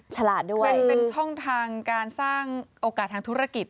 ฉลาดด้วยเป็นช่องทางการสร้างโอกาสทางธุรกิจ